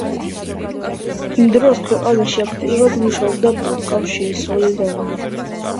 იმ დროს ქვეყანაში აქტიურად მუშაობდა პროფკავშირი „სოლიდარობა“.